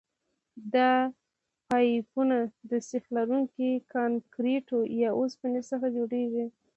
دا پایپونه د سیخ لرونکي کانکریټو یا اوسپنې څخه جوړیږي